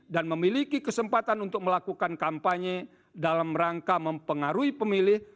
dan memiliki kesempatan untuk melakukan kampanye dalam rangka mempengaruhi pemilih